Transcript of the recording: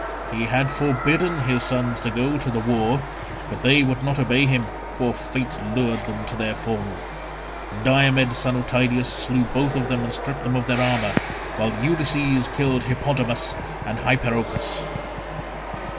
He had forbidden his sons to go to the war, but they would not obey him, for fate lured them to their fall. Diomed son of Tydeus slew them both and stripped them of their armour, while Ulysses killed Hippodamus and Hypeirochus.